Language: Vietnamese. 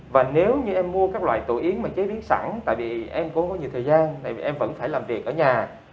và nếu như em mua các loại tổ yến mà chế biến sẵn tại vì em có nhiều thời gian em vẫn phải làm việc ở nhà